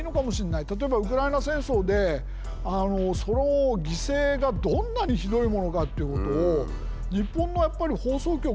例えばウクライナ戦争でその犠牲がどんなにひどいものかっていうことを日本の放送局